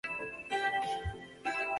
他还试图追杀试图报警的吴新国。